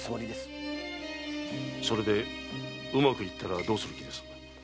それでうまくいったらどうする気ですか？